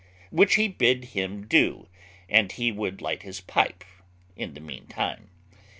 Which he bid him do, and he would light his pipe in the meantime.